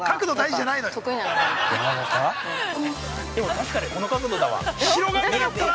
◆確かにこの角度だわ。